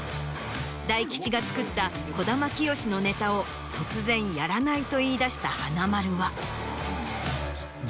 大吉が作った児玉清のネタを突然「やらない」と言い出した華丸は。